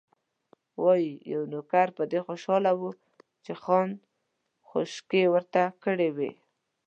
وايي، یو نوکر په دې خوشاله و چې خان خوشکې ورته کړې وې.